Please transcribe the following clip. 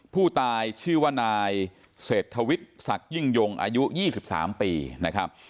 ผู้ตายชื่อว่านายเศรษฐวิทย์ศักดิ์ยิ่งยงอายุ๒๓ปีนะครับ